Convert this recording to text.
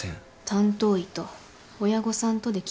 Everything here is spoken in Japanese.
担当医と親御さんとで決めたの。